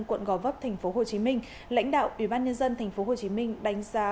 quận gò vấp tp hcm lãnh đạo ủy ban nhân dân tp hcm đánh giá